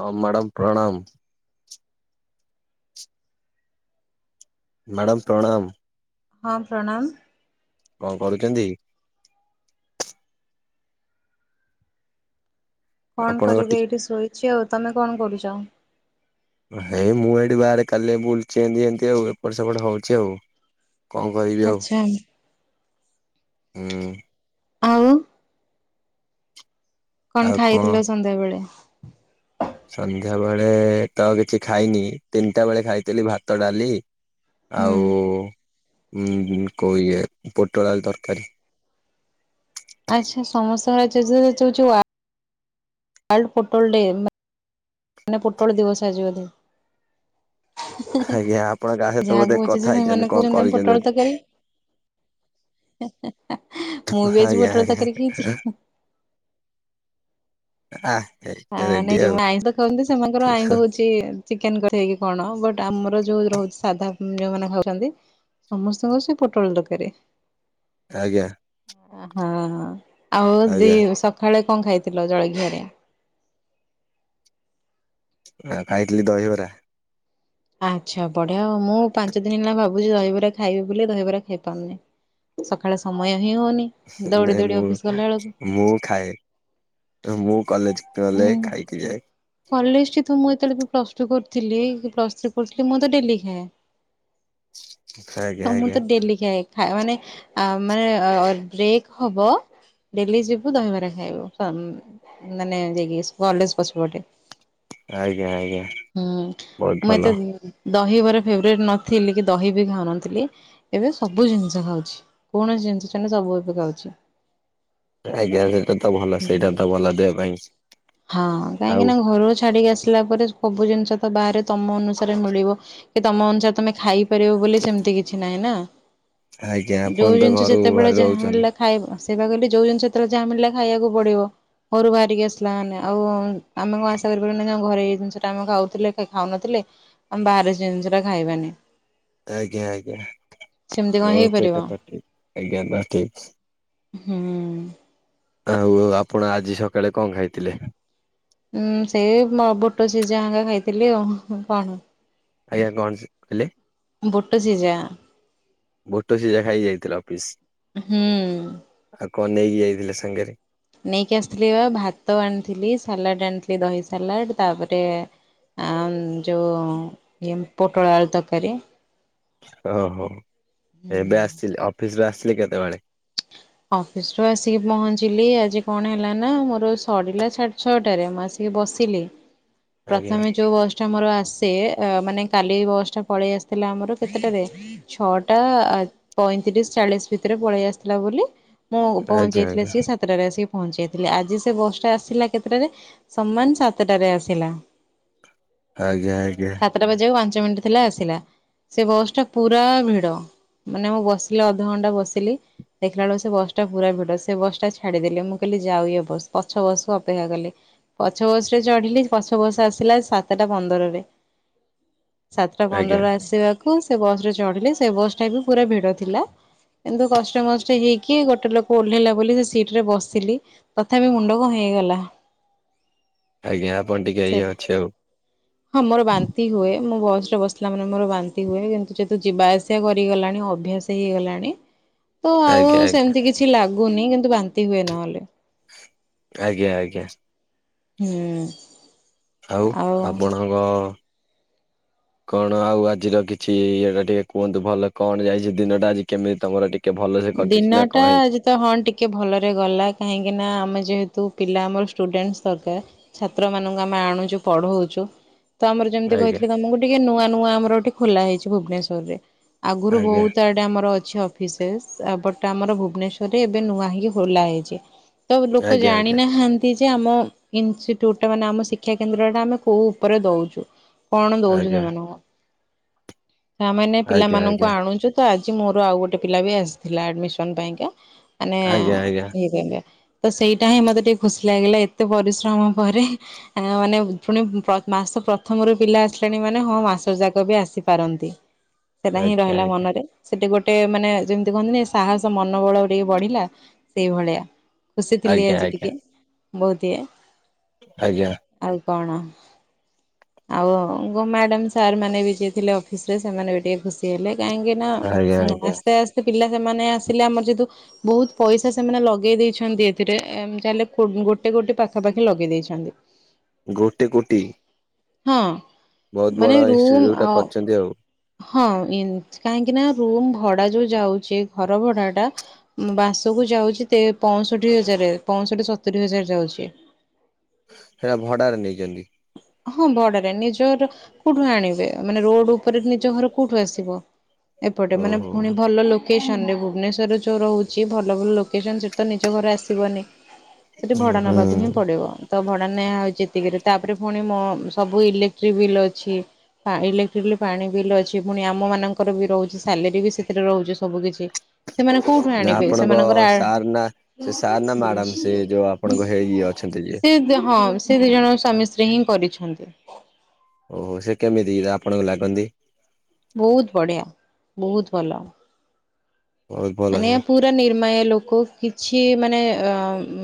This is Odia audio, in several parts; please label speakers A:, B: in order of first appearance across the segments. A: ହ ମ୍ୟାଡ଼ାମ ପ୍ରଣାମ। ମ୍ୟାଡ଼ାମ ପ୍ରଣାମ।
B: ହଁ ପ୍ରଣାମ।
A: କଣ କରୁଛନ୍ତି?
B: କଣ
A: ଆପଣଙ୍କ
B: କରିବି
A: ଟି
B: ଏଇଠି ଶୋଇଛି ଆଉ। ତମେ କଣ କରୁଛ?
A: ହେଇ ମୁଁ ଏଇଠି ବାହାରେ କାଲି ବୁଲୁଛି ଏତି ଏତି ଆଉ ଏପଟ ସେପଟ ହଉଛି ଆଉ। କଣ କରିବି ଆଉ।
B: ଆଚ୍ଛା
A: ହୁଁ।
B: ଆଉ କଣ ଖାଇଥିଲ ସନ୍ଧ୍ୟାବେଳେ।
A: ସନ୍ଧ୍ୟା ବେଳେ ତ କିଛି ଖାଇନି ତିନିଟା ବେଳେ ଖାଇଥିଲି ଭାତ ଡାଲି।
B: ହୁଁ।
A: ଆଉ ଉ କଉ ଇଏ ପୋଟଳ ତରକାରୀ।
B: ଆଚ୍ଛା ସମସ୍ତଙ୍କ [unintelligible] ୱାର୍ଲଡ ପୋଟଳ ଡେ ମାନେ ପୋଟଳ ଦିବସ ଆଜିିବଧ।
A: ଆଜ୍ଞା ଆପଣ କାହା ସହିତ ବୋଧେ
B: ଯାହାକୁ ଅ
A: କଥା ହେଇଛନ୍ତି କଣ
B: ସେମାନଙ୍କୁ
A: କରିଛନ୍ତି
B: ପୋଟଳ
A: ବୋଧେ
B: ତରକାରି। ମୁଁ ବି ଆଜି
A: ଆଜ୍ଞା
B: ପୋଟଳ
A: ଆଜ୍ଞା
B: ତକରି ଖାଇଛି।
A: ହ ସେ [unintelligible]
B: ହଁ ନାଇଁ ଯଉମାନେ ଆଇଁଷ ଖାଉନ୍ତି ସେମାନଙ୍କର ଆଇଁଷ ହ ଚିକେନ କରିଇକି କଣ ବଟ ଆମର ଯୋଉ ରହୁଛି ସାଧା ଯୋଉମାନେ ଖାଉଛନ୍ତି। ସମସ୍ତଙ୍କ ସେ ପୋଟଳ ଦରକାରୀ।
A: ଆଜ୍ଞା।
B: ହଁ ଆଉ ଦି
A: ଆଜ୍ଞା
B: ସକାଳେ କଣ ଖାଇଥିଲ ଜଳଖିଆରେ?
A: ଆଉ ଖାଇଥିଲି ଦହିବରା।
B: ଆଚ୍ଛା ବଢିଆ ମୁଁ ପାଞ୍ଚ ଦିନ ହେଲା ଭାବୁଛି ଦହିବରା ଖାଇବି ବୋଲି ଦହିବରା ଖାଇ ପାରୁନି। ସକାଳେ ସମୟ ହିଁ ହଉନି। ଦୌଡି
A: ନାଇଁ
B: ଦୌଡି
A: ମୁଁ
B: ଅଫିସ ଗଲା ବେଳକୁ
A: ମୁଁ ଖାଏ। ମୁଁ କଲେଜ ଗଲେ ଖାଇକି ଯାଏ।
B: କଲେଜ ଟି ତ ମୁଁ ଯେତେବେଳେ ପ୍ଲସ ଟୁ କରିଥିଲି କି ପ୍ଲସ୍ ଥ୍ କରୁଥିଲି ମୁଁ ତ ଡେଲି ଖାଏ।
A: ଆଜ୍ଞା
B: ହଁ ମୁଁ
A: ଆଜ୍ଞା
B: ତ ଡେଲି ଖାଇ। ଖ ମାନେ ମାନେ ବ୍ରେକ୍ ହବ ଡେଲି ଯିବୁ ଦହିବାର ଖାଇବୁ ମାନେ ଯକି କଲେଜ ପଛ ପଟେ।
A: ଆଜ୍ଞା ଆଜ୍ଞା।
B: ହୁଁ
A: ବହୁତ
B: ମୁଁ
A: ଭଲ।
B: ଏତେ ଦହି ମୋର ଫେବରେଟ୍ ନଥିଲି କି ଦହି ବି ଖାଉନଥିଲି ଏବେ ସବୁ ଜିନିଷ ଖାଉଛି। କୌଣସି ଜିନିଷ ସେ ସବୁ ଏବେ ଖାଉଛି।
A: ଆଜ୍ଞା ସେଟା ତ ଭଲ ସେଇଟା
B: ହୁଁ
A: ତ ଭଲ ଦେହ ପାଇଁ।
B: ହଁ କାହିଁକି
A: ଆଉ
B: ନା ଘରୁ ଛାଡିକି ଆସିଲା ପରେ ସବୁ ଜିନିଷ ତ ବାହାରେ ତମ ଅନୁସାରେ ମିଳିବ କି ତମ ଅନୁସାରେ ତମେ ଖାଇ କରିବୁ ବୋଲି ସେମିତି କିଛି ନାହିଁ।
A: ଆଜ୍ଞା ଆପଣ
B: ଯୋଉ
A: ତ
B: ଜିନିଷ
A: ଘରୁ
B: ଯେତେବେଳେ
A: ବାହାରେ
B: ଯାହା
A: ରହୁଛନ୍ତି।
B: ମିଲିଲା ଖାଇବା ସେବା କିଲେ ଯୋଉ ଜିନି ସତରେ ଯାହା ମିଳିଲା ଖାଇବାକୁ ପଡିବ ଘରୁ ବାହାରିକି ଆସ୍ ଥିଲା ମାନେ ଆଉ ଆମେ କଣ ଆଶା କରିପାରିଲୁ ନା ଘରେ ଏଇ ଜିନିଷଟା ଆମେ ଖାଉଥିଲେ ଖାଉନଥିଲେ ଆମେ ବାହାରେ ଜିନିଷ ଟା ଖାଇବାନି।
A: ଆଜ୍ଞା ଆଜ୍ଞା।
B: ସେମିତି କଣ
A: ହ ସେଇ
B: ହେଇପାରିବ?
A: କଥା ଠିକ। ଆଜ୍ଞା ନା ଠିକ।
B: ହୁଁ।
A: ଆଉ ଆଉ ଆପଣ ଆଜି ସକାଳେ କଣ ଖାଇଥିଲେ?
B: ହଁ ସେଇ ବୁଟ ସିଝାଙ୍କା ଖାଇଥିଲି ଆଉ କଣ।
A: ଆଜ୍ଞା କଣ କହିଲେ?
B: ବୁଟ ସିଝା
A: ବୋଟ ସିଜା ଖାଇକି ହେଇ ଯାଇଥିଲା ଅଫିସ।
B: ହୁଁ।
A: ଆଉ କଣ ନେଇକି ଯାଇଥିଲେ ସାଙ୍ଗରେ?
B: ନେଇକି ଆସିଥିଲି ବା ଭାତ ଆଣିଥିଲି ସାଲାଡ ଆଣିଥିଲି ଦହି ସାଲାଡ ତାପରେ ଆ ଯେଉଁ ଇ ପୋଟଳ ଆଳ ତରକାରୀ।
A: ଓହୋ ଏବେ
B: ହୁଁ।
A: ଆସିି ଅଫିସରୁ ଆସିିଲି କେତେବେଳେ?
B: ଅଫିସ ରୁ ଆସିକି ପହଞ୍ଚିଲି ଆଜି କଣ ହେଲା ନା ମୋର ସରିଲା ଛାଡି ଛଅଟାରେ ମୁଁ ଆସିକି ବସିଲି
A: ଆଜ୍ଞା
B: ପ୍ରଥମେ ଯୋଉ ର ଆସେ ମାନେ କାଲି ବସ୍ ଟା ପଳେଇ ଆସିଥିଲା ଆମର କେତେଟାରେ ଛଅଟା ପଇଁତିରିଶ ଚାଳିଶ ଭିତରେ ପଳେଇ ଆସିଥିଲା ବୋଲି ମୁଁ
A: ଆଜ୍ଞା
B: ପହଞ୍ଚେଇ ଥିଲେ
A: ଆଜ୍ଞା
B: ସାତ୍ ସାତଟାରେ ଆସିକି ପହଞ୍ଚାଇଥିଲି। ଆଜି ସେ ବସଟା ଆସିଲା କେତେଟାରେ ସମାନ ସାତଟାରେ ଆସିଲା। [inaudible]
A: ଆଜ୍ଞା ଆଜ୍ଞା।
B: ସାତଟା ବାଜିବାକୁ ପାଞ୍ଚ ମିନିଟ୍ ଥିଲା ଆସିଲା। ସେ ବସ୍ ଟା ପୁରା ଭିଡ ମାନେ ମୁଁ ବସିଲି ଅଧଘଣ୍ଟା ବସିଲି ଦେଖିଲା ବେଳ ସେ ବସ୍ ଟା ପୁରା ଭିଡ ସେ ବସ୍ ଟା ଛାଡ଼ିଦେଲି। ମୁଁ କହିଲି ଯାଉ ବସ୍ ପଛ ବସ୍ କୁୁ ଅପେକ୍ଷା କଲି। ପଛ ବସ୍ ରେ ଚଢିଲି ପଛ ବସ ଆସିଲା ସାତଟା ପନ୍ଦରରେ। ସାତଟା
A: ଆଜ୍ଞା
B: ପନ୍ଦରରୁ ଆସିବା କୁ ସେ ବସ୍ ରେ ଚଢିଲି। ସେ ବସ୍ ଟା ବି ପୁରା ଭିଡ ଥିଲା। କିନ୍ତୁ କଷ୍ଟେ ମଷ୍ଟେ ହେଇି କି ଗୋଟେ ଲୋକ ଓହ୍ଲେଇଲା ବୋଲି ସେ ସିଟ ରେ ବସିଲି। ତଥାପି ମୁଣ୍ଡ କଅ ହେଇଗଲା। [inaudible]
A: ଆଜ୍ଞା ଆପଣ ଟିକେ
B: ସେ
A: ଏଇ ଅଛି ଆଉ।
B: [inaudible] ହଁ ମୋର ବାନ୍ତି ହୁଏ ମୁଁ ବସ୍ ରେ ବସିଲା ମାନେ ମୋର ବାନ୍ତି ହୁଏ, କିନ୍ତୁ ଯେହେତୁ ଯିବା ଆସିବା କରିଗଲାଣି ଅଭ୍ୟାସ ହେଇଗଲାଣି ତ ଆଉ
A: ଆଜ୍ଞା ଆଜ୍ଞା।
B: ସେମିତି କିଛି ଲାଗୁନି କିନ୍ତୁ ବାନ୍ତି ହୁଏ ନହେଲେ।
A: ଆଜ୍ଞା ଆଜ୍ଞା।
B: ହୁଁ।
A: ଆଉ ଆପଣଙ୍କ
B: [inaudible]
A: କଣ ଆଉ ଆଜିର କିଛି ଇଏ ଟା ଟିକେ କୁହନ୍ତୁ ଭଲ କଣ ଯାଇଛି ଦିନଟା ଆଜି କେମିତି ତମର ଟିକେ? ଟିକେ ଭଲ ରେ କଟିଛି ନା
B: ଦିନଟା
A: କଣ ହେଇଛି?
B: ଆଜି ତ ହଁ ଟିକେ ଭଲରେ ଗଲା କାହିଁକି ନା ଆମେ ଯେହେତୁ ପିଲା ଆମର ଷ୍ଟୁଡେଣ୍ଟ ସରକାର। ଛାତ୍ରମାନଙ୍କୁ ଆମେ ଆଣୁଛୁ ପଢ଼ଉଛୁ। ତ ଆମର ଯେମିତି
A: ଆଜ୍ଞା
B: କହିଥିଲି ତମକୁ ଟିକେ ନୂଆ ନୂଆ ଆମର ଏଠି ଖୋଲାହେଇଚି ଭୁବନେଶ୍ଵରରେ, ଆଗରୁ
A: ଆଜ୍ଞା
B: ବହୁତୁ ଆ ଆମର ଅଛି ଅଫିସ୍ ସେଶ୍ ତା ପର ଟା ଆମର ଭୁବନେଶ୍ୱରରେ ଏବେ ନୂଆ ହେଇକି ଖୋଲା ହେଇଛି। ତ ଲୋକ
A: ଆଜ୍ଞା ଆଜ୍ଞା
B: ଜାଣିନାହା ନ୍ତି ଯେ ଆମ ଇନଷ୍ଟିଟ୍ୟୁଟା ମାନେ ଆମ ଶିକ୍ଷା କେନ୍ଦ୍ରଟା ଆମେ କୋଉ ଉପରେ ଦଉଚୁ? କଣ ଦଉଛୁ
A: ଆଜ୍ଞା
B: ସେମାନଙ୍କୁ? ତାମାନେ
A: ଆଜ୍ଞା
B: ପିଲାମାନଙ୍କୁ ଆଣୁଛୁ ତ ଆଜି ମୋର ଆଉ ଗୋଟେ ପିଲା ବି ଆସିଥିଲା ଆଡମିସନ୍ ପାଇଁକା। ମାନେ
A: ଆଜ୍ଞା
B: ଏଥିପାଇଁ କା ତ ସେଇଟା ହିଁ ମତେ ଟିକେ ଖୁସି ଲାଗିଲା ଏତେ ପରିଶ୍ରମ ପରେ। ଆ ମାନେ ପୁଣିପ୍ର-ମାସ ପ୍ରଥମରୁ ପିଲା ଆସିଲାଣି ମାନେ ହଁ ମାସ ଯାକ ବି ଆସିପାରନ୍ତି? ସେଇଟା ହିଁ
A: ଆଜ୍ଞା
B: ରହିଲା
A: ଆଜ୍ଞା।
B: ମନରେ ସେଠି ଗୋଟେ ମାନେ ଯେମତି ଯୋଉ କହନ୍ତିନି ସାହସ ମନୋବଳ ଟିକେ ବଢିଲା ସେଇଭଳିଆ। ଖୁସି ଥିଲି
A: ଆଜ୍ଞା
B: ଆଜି
A: ଆଜ୍ଞା ଆଜ୍ଞା
B: ଟିକେ ବହୁତ ଇଏ।
A: ଆଜ୍ଞା।
B: ଆଉ କଣ? ଆଉ ଗୋ ମ୍ୟାଡାମ ସାର୍ ମାନେ ବି ସେ ଯିଏଥିଲେ ଅଫିସ ରେ ସେମାନେ ବି ଟିକେ ଖୁସି ହେଲେ କାହିଁକି ନା
A: ଆଜ୍ଞା ଆଜ୍ଞା ଆଜ୍ଞା
B: ଆସ୍ତେ ଆସ୍ତେ ପିଲା ସେମାନେ ଆସିଲେ ଆମର ଯେତୁ ବହୁତ ପଇସା ସେମାନେ ଲଗେଇ ଦେଇଛନ୍ତି ଏଥିରେଏମିତି ହେଲେ ଗୋଟେ କୋଟି ପାଖାପାଖି ଲଗେଇ ଦେଇଛନ୍ତି। [inaudible]
A: ଗୋଟେ କୋଟି।
B: ହଁ
A: ବହୁତ ବଡ
B: ମାନେ ରୁମ୍
A: ଇନଷ୍ଟିଚ୍ୟୁଟ
B: ଅ
A: କରିଛନ୍ତି ଆଉ
B: ହଁ ଇନ୍ କାହିଁକି ନା ରୁମ ଭଡା ଯୋଉ ଯାଉଛି ଘର ଭଡା ଟା ମାସକୁ ଯାଉଛି ତେ ପଅଁଷଠି ହଜାର ପଅଁଷଠି ସତୁରି ହଜାର ଯାଉଛି।
A: ସେଇଟା ଭଡାରେ ନେଇଚନ୍ତି।
B: ହଁ ଭଡାରେ ନିଜର କୋଉଠୁ ଆଣିବେ ମାନେ ରୋଡ ଉପରେ ନିଜ ଘର କୋଉଠୁ ଆସିବ ଏପଟେ ମାନେ
A: ଓହୋ
B: ପୁଣି ଭଲ ଲୋକ ଲୋକେସନ୍ ଭୁବନେଶ୍ଵରରେ ଯୋଉ ରହୁଛି ଭଲ ଭଲ ଲୋକେସନ୍ ସେଠି ତ ନିଜ ଘରେ ଆସିବନି। ସେଠି
A: ହୁଁ
B: ଭଡା
A: ହୁଁ
B: ନବାକୁ ହିଁ ପଡିବ ତ ଭଡା ନିଆ ହଉଛି ଏତିକିରେ ତାପରେ ପୁଣି ମୋ ସବୁ ଇଲେକ୍ଟ୍ରିକ ବିଲ୍ ଅଛି। ପା ଇଲେକ୍ଟ୍ରିକ ପାଣି ବିଲ୍ ଅଛି ପୁଣି ଆମମାନଙ୍କର ବି ରହୁଛି ସାଲେରୀ ବି ସେଥିରେ ରହୁଛି ସବୁକିଛି। ସେମାନେ କୋଉଠୁ
A: ନା
B: ଆଣିବେ
A: ଆପଣଙ୍କ
B: ସେମାନଙ୍କର
A: ସାର୍ ନା ସେ ସାର୍ ନା ମ୍ୟାଡାମ ସେ ଯୋଉ ଆପଣଙ୍କ ହେଇ ଅଛନ୍ତି ଯିଏ?
B: ସେ ହଁ ସେ ଦି ଜଣ ସ୍ୱାମୀ ସ୍ତ୍ରୀ ହିଁ କରିଛନ୍ତି।
A: ଓହୋ ସେ କେମିତି ଆପଣଙ୍କୁ ଲାଗନ୍ତି?
B: ବହୁତ ବଢିଆ। ବହୁତ ଭଲ।
A: ବହୁତ ଭଲ
B: ମାନେ
A: ସେ
B: ପୁରା ନିର୍ମାୟା ଲୋକ। କିଛି ମାନେ ଆ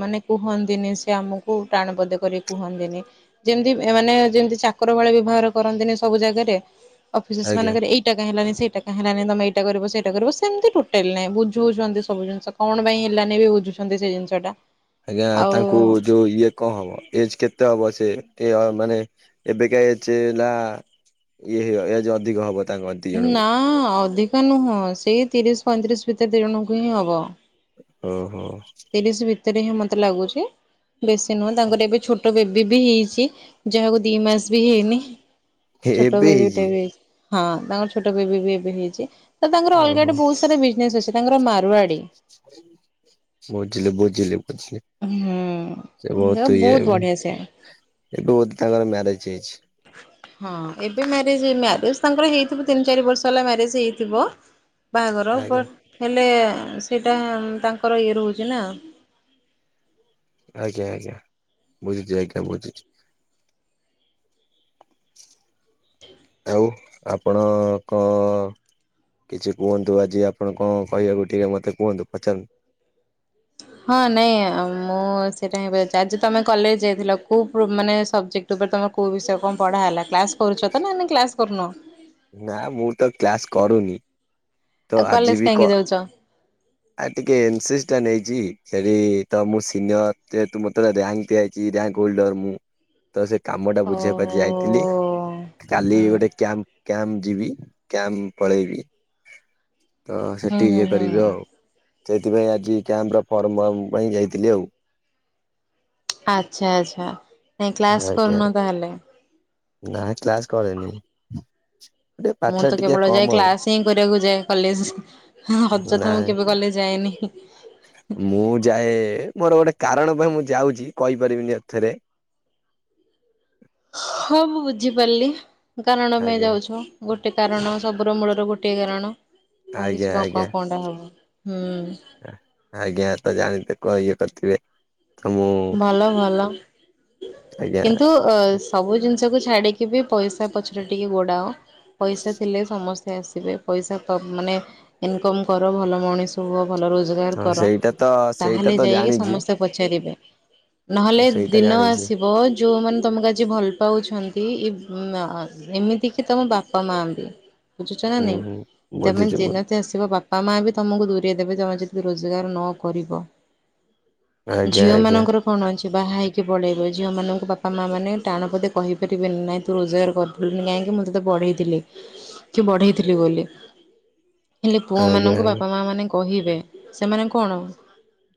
B: ମାନେ କୁହନ୍ତିନି ସେ ଆମକୁ। କୋଉ ଟାଣ ପଦେ କରି କୁହନ୍ତିନି। ଯେମିତି ଏମାନେ ଯେମିତି ଚାକର ଭଳିଆ ବ୍ୟବହାର କରନ୍ତିନି ସବୁ ଜାଗାରେ? ଅଫିସସ୍
A: ଆଜ୍ଞା
B: ମାନଙ୍କରେ ଏଇଟା କାଇଁ ହେଲାନି ସେଇଟା କାଇଁ ହେଲାନି, ତମେ ଏଇଟା କରିବ ସେଇଟା କରିବ ସେମିତି ଟୋଟା [inaudible] ବୁଝଉଛନ୍ତି ସବୁ ଜିନିଷ। କଣ ପାଇଁ ହେଲାନି ବି ବୁଝୁଛନ୍ତି ସେ ଜିନିଷ ଟା।
A: ଆଜ୍ଞା ତାଙ୍କୁ ଯୋଉ ଇଏ କଣ ହବ? ଏଜ୍ କେତେ ହବ ସେ? ଏ ମାନେ ଏବେକା ଏଜ ହେଲା ଇଏ ଏଜେ ଅଧିକ ହବ ତାଙ୍କ ଦି
B: ନା
A: ଜଣଙ୍କୁ
B: ଅଧିକା ନୁହଁ। ସେଇ ତିରିଶ ପଇଁତିରିଶ ଭିତରେ ଦି ଜଣଙ୍କୁ ହିଁ ହବ।
A: ଓହୋ।
B: ତିରିଶ ଭିତରେ ହିଁ ମତେ ଲାଗୁଛି। ବେଶୀ ନୁହଁ। ତାଙ୍କର ଏବେ ଛୋ ବେବି ବି ହେଇଛି। ଯାହାକୁ ଦି ମାସ ବି ହେଇନି। ଛୋଟ ବେବିଟେ ବି ହେଇଛି। ହଁ ତାଙ୍କର ଛୋଟ ବେବି ବି ଏବେ ହେଇଛି। ତ ତାଙ୍କର ଅଲଗା
A: ଓହୋ।
B: ଆଡେ ବହୁତ ସାରା ବିଜନେସ୍ ଅଛି ତାଙ୍କର ମାରୁଆଡି।
A: ବୁଝିଲି ବୁଝିଲି ବୁଝିଲି।
B: ହୁଁ।
A: ସେ ବହୁତ ଇଏ [inaudible] ଏବେ
B: ବଢିଆ ସେ।
A: ବୋଧେ ତାଙ୍କର ମ୍ୟାରେଜ ହେଇଛି?
B: ହଁ। ଏବେ ମ୍ୟାରେଜ ମ୍ୟାରେଜ ତାଙ୍କର ହେଇଥିବ ତିନି ଚାରି ବର୍ଷ ହେଲା ମ୍ୟାରେଜ ହେଇଥିବ। ବାହାଘର।
A: ଆଜ୍ଞା
B: ବଟ୍ ହେଲେ ସେଇଟା ତାଙ୍କର ଇଏ ରହୁଛି ନା?
A: ଆଜ୍ଞା ଆଜ୍ଞା। ବୁଝୁଛି ଆଜ୍ଞା ବୁଝୁଛି। ଆଉ ଆପଣ କଣ କିଛି କୁହନ୍ତୁ। ଆଜି ଆପଣ କଣ କହିବାକୁ ଟିକେ ମତେ କୁହନ୍ତୁ ପଚାରନ୍ତୁ।
B: ହଁ ନାଇଁ, ମୁଁ ସେଇଟା ହିଁ ପଚାରୁଛି। ଆଜି ତମେ କଲେଜ ଯାଇଥିଲ କୋଉ ଗ୍ରୁପ୍ ମାନେ ସବଜେକ୍ଟ? ୟୁଟ୍ୟୁବରେ ତମ କଉ ବିଷୟ କଣ ପଢ଼ା ହେଲା କ୍ଲାସ୍ କରୁଛ ତ ନା ନାଇଁ କ୍ଲାସ୍ କରୁନ?
A: ନା ମୁଁ ତ କ୍ଲାସ କରୁନି। ତ
B: ଆଉ
A: ଆଜି
B: କଲେଜ
A: ବି କ
B: କାହିଁକି ଯାଉଛ?
A: ଆ ଟିକେ ଏନ୍ ସି ସି ଟା ନେଇଛି। ସେଠି ତ ମୁଁ ସିନିୟର ଯେହେତୁ, ମୋତେ ରାଙ୍କଦିଆ [inaudible] ମୁଁ। ତ ସେ କାମ ଟା ବୁଝେଇଆକୁ
B: ଓହୋ।
A: ଯାଇଥିଲି। କାଲି
B: ହୁଁ
A: ଗୋଟେ କ୍ୟାମ୍ପ କ୍ୟାମ୍ପ ଯିବି। କ୍ୟାମ୍ପ ପଳେଇବି। ତ
B: ହୁଁ
A: ସେଠି
B: ହୁଁ
A: ଇଏ
B: ହୁଁ
A: କରିବି ଆଉ। ସେଇଥିପାଇଁ ଆଜି କ୍ୟାମ୍ପ ର ଫର୍ମ ଫର୍ମ ପାଇଁ ଯାଇଥିଲି ଆଉ।
B: ଆଚ୍ଛା ଆଚ୍ଛା। ନାଇ କ୍ଲାସ୍
A: ଆଜ୍ଞା
B: କରୁନ ତାହେଲେ?
A: ନା କ୍ଲାସ କରେନି। ଟିକେ
B: ମୁଁ
A: ପାଠରେ
B: ତ
A: ଟିକେ
B: କେବଳ
A: କମ
B: ଯାଏ
A: ଆଉ
B: କ୍ଲାସ ହିଁ କରିବାକୁ ଯାଏ କଲେଜ।
A: ନା
B: ଅଯଥା ମୁଁ କେବେ କଲେଜ ଯାଏନି।
A: ମୁଁ ଯାଏ ମୋର ଗୋଟେ କାରଣ ପାଇଁ ମୁଁ ଯାଉଛି। କହିପାରିବିନି ଏଥରେ।
B: ହଁ ମୁଁ ବୁଝିପାରିଲି। କୋଉ କାରଣ ପାଇଁ
A: ଆଜ୍ଞା
B: ଯାଉଛ! ଗୋଟିଏ କାରଣ ସବୁର ମୂଳର ଗୋଟିଏ କାରଣ। ଆଉ
A: ଆଜ୍ଞା
B: କିଛି କ କଣ
A: ଆଜ୍ଞା
B: କଣଟା ହେବ? ହୁଁ।
A: ଆଜ୍ଞା। ତ ଜାଣିିତେ କଣ ଇଏ କରିଥିବେ? ତ ମୁଁ
B: ଭଲ ଭଲ।
A: ଆଜ୍ଞା
B: କିନ୍ତୁ ଆ ସବୁ ଜିନିଷକୁ ଛାଡ଼ିକି ବି ପଇସା ପଛରେ ଟିକେ ଗୋଡ଼ାଅ। ପଇସା ଥିଲେ ସମସ୍ତେ ଆସିବେ। ପଇସା ତ ମାନେ ଇନକମ୍ କର। ଭଲ ମଣିଷ ହୁଅ। ଭଲ ରୋ ରୋଜଗାର
A: ହଁ
B: କର।
A: ସେଇଟା ତ ସେଇଟା
B: ତାହେଲେ
A: ତ
B: ଯାଇକି
A: ଜାଣିଛି
B: ସମସ୍ତେ ପଚାରିବେ। ନହେଲେ
A: ମୁଁ ସେଇଟା
B: ଦିନ
A: ଜାଣିଛି
B: ଆସିବ। ଯୋଉମାନେ ତମକୁ ଆଜି ଭଲ ପାଉଛନ୍ତି ଇ ବ୍ ଆ ଏମିତି କି ତମ ବାପା ମାବି। ବୁଝୁଚ ନା
A: ହୁଁ
B: ନାଇଁ
A: ହୁଁ
B: ତମେ
A: ବୁଝୁଛି ମୁଁ
B: ଦିନତି ଆସିବ ବାପା ବାପା ମା ବି ତମକୁ ଦୂରେଇ ଦେବେ ତମେ ଯଦି ରୋଜଗାର ନ କରିବ।
A: ଆଜ୍ଞା
B: ଝିଅ
A: ଆଜ୍ଞା
B: ମାନଙ୍କ କଣ ଅଛି ବାହା ହେଇକି ପଳେଇବେ। ଝିଅ ମାନଙ୍କୁ ବାପା ମା ମାନେ ଟାଣ ପଦେ କହିପାରିବେନି ନାଇଁ ତୁ ରୋଜଗାର କରୁ କାହିଁକି ମୁଁ ତତେ ପଢେଇଥିଲି କି ବଢେଇଥିଲି ବୋଲି। ହେଲେ ପୁଅ
A: ଆଜ୍ଞା
B: ମାନଙ୍କୁ ବାପା ମା ମାନେ କହିବେ। ସେମାନେ କଣ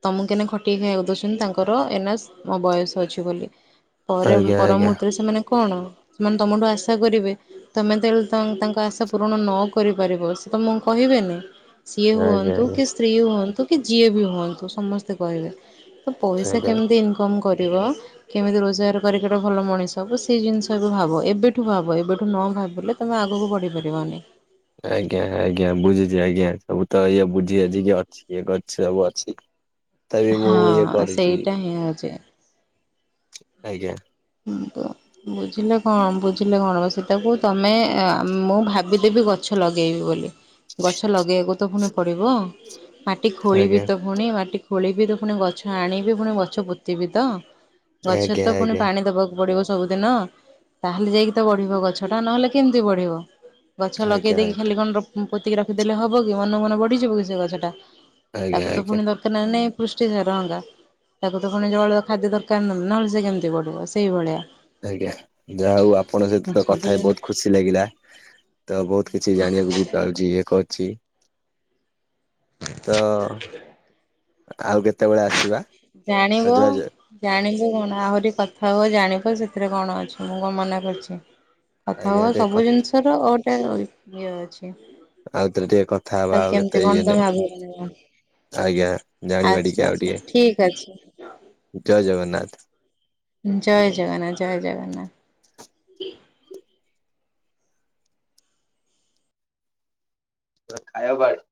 B: ତମକୁ କେନ ଖଟିକ ଖାଇବାକୁ ଦେଉଚନ୍ତି ତାଙ୍କ ଙ୍କର ଏନା ମୋ ବୟସ ଅଛି ବୋଲି ପରେ
A: ଆଜ୍ଞା
B: ପର
A: ଆଜ୍ଞା
B: ମୁୂର୍ତ୍ତତରେ ସେମାନେ କଣ ସେମାନେ ତମଠୁ ଆଶା କରିବେ। ତମେ ତଲେ ତାଙ୍କ ଆଶା ପୂରଣ ନ କରିପାରିବ ସେ ତମକୁ କହିବେନି? ସିଏ
A: ଆଜ୍ଞା
B: ହୁଅନ୍ତୁ କି ସ୍ତ୍ରୀ ହୁଅନ୍ତୁ କି ଯିଏ ବି ହୁଅନ୍ତୁ ସମସ୍ତେ କହିବେ। ତ ପଇସା
A: ଆଜ୍ଞା
B: କେମିତି ଇନକମ୍ କରିବ? କେମିତି ରୋଜଗାର କରିକଟ ଭଲ ମଣିଷ ହବ ସେଇ ଜିନିଷ ବି ଭାବ ଏବେଠୁ ଭାବ ଏବେଠୁ ନ ଭାବିଲେ ତୁମେ ଆଗକୁ ବଢ଼ିପାରିବନି।
A: ଆଜ୍ଞା ଆଜ୍ଞା ବୁଝୁଚି ଆଜ୍ଞା ସବୁ ତ ଇଏ ବୁଝି ବାଝି କି ଅଛି ଏ କରିଚି ସବୁ ଅଛି। ତଥାପି ମୁଁ ଇଏ କରିଚି।
B: ଏଇଆ ଆଜି।
A: ଆଜ୍ଞା।
B: ହ ତ। ବୁଝିଲେ କଣ ବୁଝିଲେ କଣ ସେଟାକୁ ତମେ ମୁଁ ଭାବିଦେବି ଗଛ ଲଗେଇବି ବୋଲି। ଗଛ ଲଗେଇବାକୁ ତ ପୁଣି ପଡିବ। ମାଟି ଖୋଳିବି
A: ଆଜ୍ଞା
B: ତ ପୁଣି ମାଟି ଖୋଳିବି ତ ପୁଣି ଗଛ ଆଣିବି ପୁଣି ଗଛ ପୋତିବି ତ। ଗଛରେ
A: ଆଜ୍ଞା ଆଜ୍ଞା
B: ତ ପୁଣି
A: ଆଜ୍ଞା
B: ପାଣି ଦବାକୁ ପଡିବ ସବୁଦିନ ତାହେଲେ ଯାଇକି ତ ବଢିବ ଗଛ ଟା ନହେଲେ କେମିତି ବଢିବ? ଗଛ ଲଗେଇ
A: ଆଜ୍ଞା
B: ଦେଇକି ଖାଲି କଣ ପୋତିକି ରଖିଦେଲେ ହବ କି ମନକୁ ମନ ବଢିଯିବ କି ସେ ଗଛ ଟା?
A: ଆଜ୍ଞା
B: ତାକୁ ତ
A: ଆଜ୍ଞା
B: ପୁଣି ଦର ନଁ ନାଇଁ ପୃଷ୍ଟି ସାର ଅଙ୍ଗା ତାକୁ ତ ପୁଣି ଜଳ ଖାଦ୍ୟ ଦରକାର ନି ନହେଲେ ସେ କେମତି ବଢ ବ ସେଇଭଳିଆ।
A: ଆଜ୍ଞା ଯାହା ହଉ ଆପଣଙ୍କ ସହିତ କଥା
B: ସବୁ
A: ହେଇ ବହୁତ ଖୁସି କିଛି ଲାଗିଲା ତ ବହୁତ କିଛି ଜାଣିବାକୁ ବି ପାଉଚି ଇଏ କରଚି। ତ ଆଉ କେତେବେଳେ ଆସିବା। ତ
B: ଜାଣିବ।
A: ଜୟ ଜୟ
B: ଜାଣିବୁ କଣ ଆହୁରି କଥା ହୁଅ ଜାଣିବ ସେଥିରେ କଣ ଅଛି ମୁଁ କଣ ମନା କରିଚି। କଥା
A: ଆଜ୍ଞା
B: ହ
A: ଟିକେ
B: ସବୁ ଜିନିଷ ର ଗୋଟେ ଇଏ ଅଛି।
A: ଆଉଥରେ ଟିକେ କଥା ହବା ଆଉ
B: କେମିତି
A: କେତେ
B: କଣ
A: ଇଏ
B: ତମେ
A: ନାଇଁ
B: ଆଗକୁ
A: ଆଜ୍ଞା ଜାଣିବା ଟିକେ
B: ଆଚ୍ଛା
A: ଆଉ
B: ଆଚ୍ଛା ଠିକ ଅଛି
A: ଟିକେ ଜୟ ଜଗନ୍ନାଥ।
B: ଜୟ ଜଗନ୍ନାଥ ଜୟ ଜଗନ୍ନାଥ।
A: ରା ଖାଇବା ବାଢ଼।